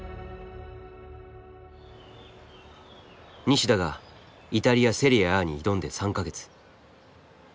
西田がイタリアセリエＡに挑んで３か月。